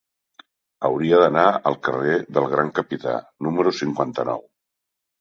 Hauria d'anar al carrer del Gran Capità número cinquanta-nou.